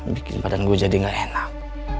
bikin badan gue jadi gak enak